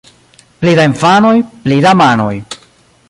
Pli da infanoj, pli da manoj.